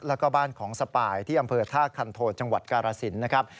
แล้วก็บ้านของสปายที่อำเภอท่าคันโทจังหวัดกาลสินนะครับ